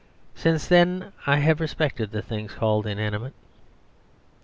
Since then I have respected the things called inanimate."